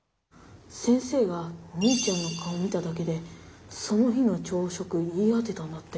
先生がお兄ちゃんの顔を見ただけでその日の朝食言い当てたんだって。